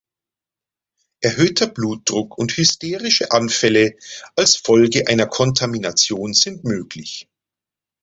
Erhöhter Blutdruck und hysterische Anfälle als Folge einer Kontamination sind möglich.